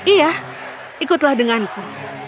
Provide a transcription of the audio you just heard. iya ikutlah denganku